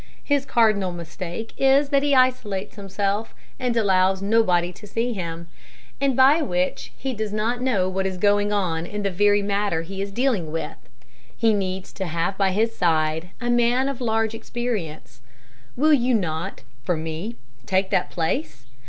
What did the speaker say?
His cardinal mistake is that he isolates himself, and allows nobody to see him; and by which he does not know what is going on in the very matter he is dealing with. He needs to have by his side a man of large experience. Will you not, for me, take that place?